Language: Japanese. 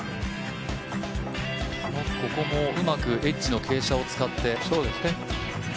ここもうまくエッジの傾斜を使って。